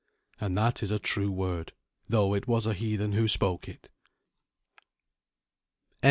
And that is a true word, though it was a heathen who spoke it. THE END.